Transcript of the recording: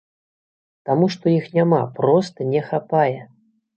Таму што іх няма, проста не хапае!